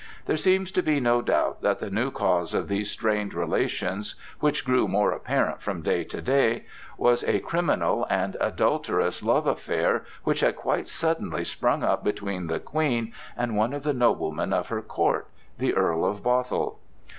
There seems to be no doubt that the new cause of these strained relations, which grew more apparent from day to day, was a criminal and adulterous love affair which had quite suddenly sprung up between the Queen and one of the noblemen of her court, the Earl of Bothwell.